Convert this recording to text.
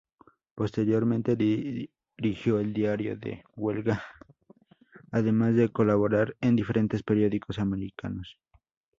Posteriormente dirigió el "Diario de Huelva", además de colaborar en diferentes periódicos americanos.